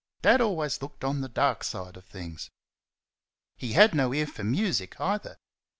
Dad always looked on the dark side of things. He had no ear for music either.